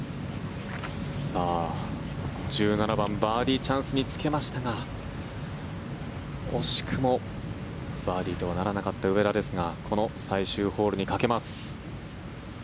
１７番バーディーチャンスにつけましたが惜しくもバーディーとはならなかった上田ですがこの最終ホールにかけます。